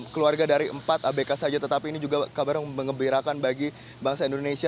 keluarga dari empat abk saja tetapi ini juga kabar yang mengembirakan bagi bangsa indonesia